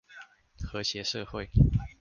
和諧社會